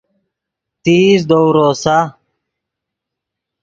تیز دؤ روسا